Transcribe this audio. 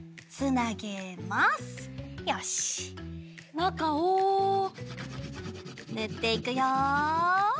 なかをぬっていくよ。